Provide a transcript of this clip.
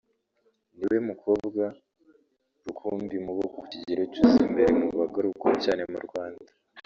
ni we mukobwa rukumbi mu bo mu kigero cye uza imbere mu bagarukwaho cyane mu Rwanda